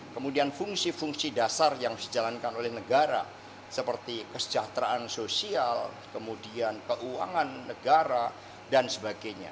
kemudian fungsi fungsi dasar yang dijalankan oleh negara seperti kesejahteraan sosial kemudian keuangan negara dan sebagainya